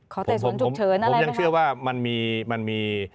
ขอเตรียมสวนถูกเฉินอะไรไหมครับผมยังเชื่อว่ามันมี